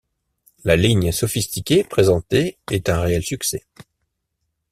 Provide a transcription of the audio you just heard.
La ligne sophistiquée présentée est un réel succès.